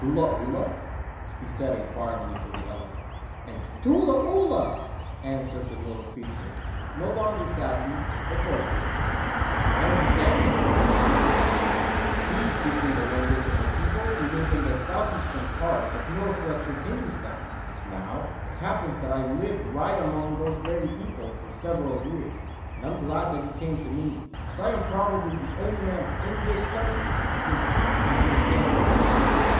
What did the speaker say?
"Tula Oolah?" he said enquiringly to the elephant, and "Tula Oolah," answered the little creature, no longer sadly but joyfully. " I understand him," said Mr. Newcombe. " He is speaking the language of a people who live in the southeastern part of northwestern Hindoostan. Now, it happens that I lived right among those very people for several years, and am glad you came to me, as I am probably the only man in this country who can speak and understand their language."